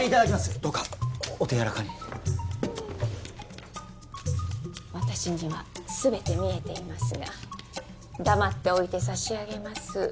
どうかお手柔らかに私には全て見えていますが黙っておいてさしあげます